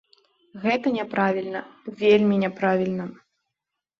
Гэта няправільна, вельмі няправільна.